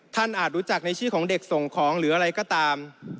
อาจรู้จักในชื่อของเด็กส่งของหรืออะไรก็ตาม